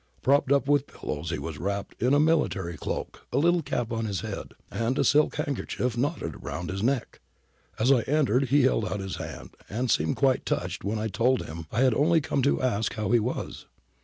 Propped up with pillows he was wrapped m a military cloak, a little cap on his head and a silk handkerchief knotted round his neck. As I entered he held out his hand, and seemed quite touched when I told him I had only come to ask how he was.